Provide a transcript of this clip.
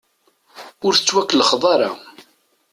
Ur tettwekellex ara.